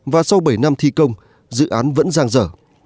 và sau bảy năm thi công dự án vẫn giang dở